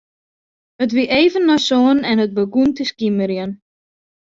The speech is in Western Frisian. It wie even nei sânen en it begûn te skimerjen.